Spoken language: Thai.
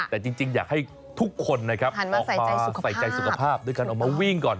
แต่จริงอยากให้ทุกคนนะครับออกมาใส่ใจสุขภาพด้วยการออกมาวิ่งก่อน